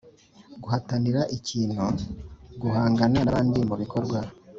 guhatanira ikintu: guhangana n’abandi mu bikorwa